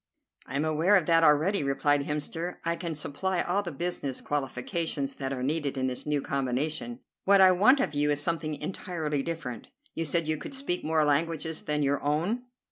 "I am aware of that already," replied Hemster. "I can supply all the business qualifications that are needed in this new combination. What I want of you is something entirely different. You said you could speak more languages than your own?"